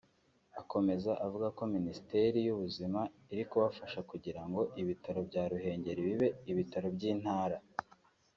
Akomeza avuga ko Minisiteri y’ubuzima iri kubafasha kugira ngo ibitaro bya Ruhengeri bibe ibitaro by’intara